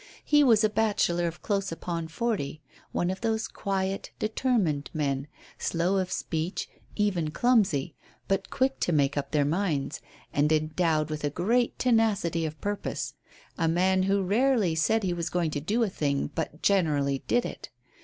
He was a bachelor of close upon forty. One of those quiet, determined men, slow of speech, even clumsy, but quick to make up their minds, and endowed with a great tenacity of purpose. A man who rarely said he was going to do a thing, but generally did it.